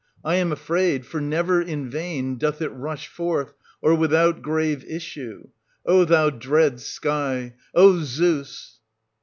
I am afraid, for never in vain doth it 1470 rush forth, or without grave issue. O thou dread sky ! Zeus